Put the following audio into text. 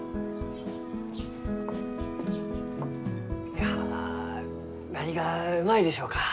いや何がうまいでしょうか？